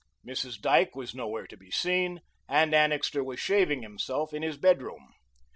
Mrs. Dyke was nowhere to be seen, and Annixter was shaving himself in his bedroom.